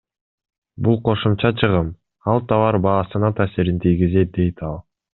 Бул кошумча чыгым, ал товар баасына таасирин тийгизет, — дейт ал.